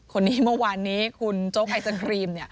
คนนี้เมื่อวานนี้คุณโจ๊กไอศครีม